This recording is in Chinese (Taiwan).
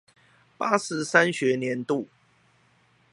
八十三學年度